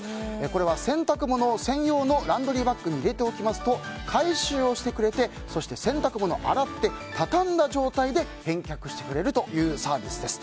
これは洗濯物を専用のランドリーバッグに入れておきますと回収をしてくれて洗濯物を洗って畳んだ状態で返却してくれるというサービスです。